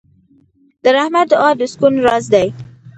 د رحمت دعا د سکون راز دی.